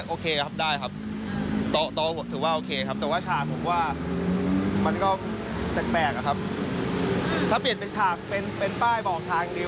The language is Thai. อาจจะให้คนมันเซลฟี่หรือเปล่าครับเหมือนมันนั่งรอรถเมล์รอเซลฟี่